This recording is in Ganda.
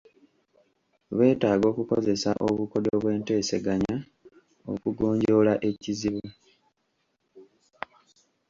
Beetaaga okukozesa obukodyo bw'enteesaganya okugonjoola ekizibu.